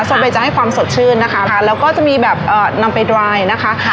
ซอเบย์จะให้ความสดชื่นนะคะแล้วก็จะมีแบบนำไปดรายนะคะ